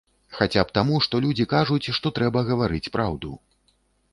Хаця б таму, што людзі кажуць, што трэба гаварыць праўду.